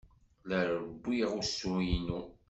La rewwiɣ usu-inu.